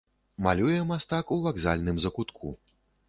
Малюе мастак ў вакзальным закутку.